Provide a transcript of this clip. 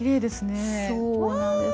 そうなんです。